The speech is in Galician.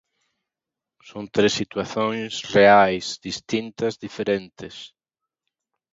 Son tres situacións reais, distintas, diferentes.